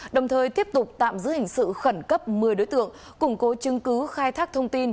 đồng thời tiếp tục tạm giữ hình sự khẩn cấp một mươi đối tượng củng cố chứng cứ khai thác thông tin